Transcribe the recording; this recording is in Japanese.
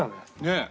ねえ。